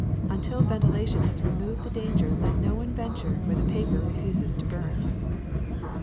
Until ventilation has removed the danger let no one venture where the paper refuses to burn.